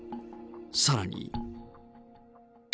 さらに。